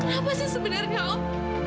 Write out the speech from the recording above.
kenapa sih sebenarnya om